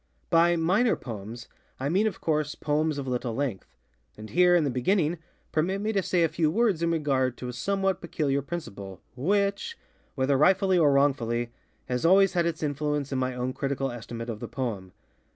By ŌĆ£minor poemsŌĆØ I mean, of course, poems of little length. And here, in the beginning, permit me to say a few words in regard to a somewhat peculiar principle, which, whether rightfully or wrongfully, has always had its influence in my own critical estimate of the poem.